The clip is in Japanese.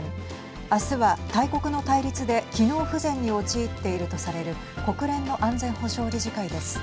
明日は大国の対立で機能不全に陥っているとされる国連の安全保障理事会です。